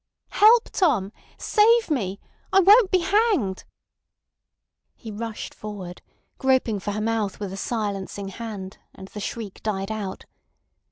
"Help, Tom! Save me. I won't be hanged!" He rushed forward, groping for her mouth with a silencing hand, and the shriek died out.